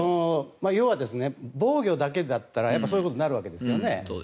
要は、防御だけだったらそういうことになるわけですね。